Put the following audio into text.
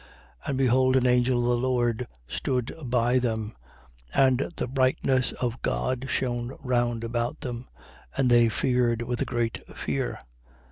2:9. And behold an angel of the Lord stood by them and the brightness of God shone round about them: and they feared with a great fear.